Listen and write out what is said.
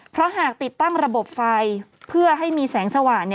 เพราะหากติดตั้งระบบไฟเพื่อให้มีแสงสว่าง